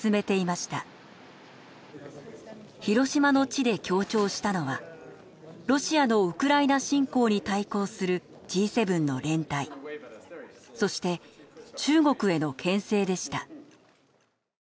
広島の地で強調したのはロシアのウクライナ侵攻に対抗するＧ７の連帯そして中国へのけん制でした。